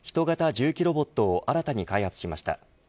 重機ロボットを新たに開発しました。